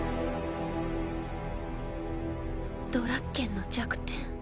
ドラッケンの弱点。